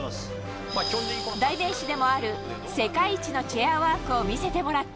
代名詞でもある世界一のチェアワークを見せてもらった。